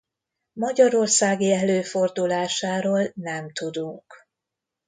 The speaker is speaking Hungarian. Magyarországi előfordulásáról nem tudunk.